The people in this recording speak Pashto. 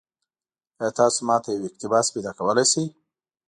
ایا تاسو ما ته یو اقتباس پیدا کولی شئ؟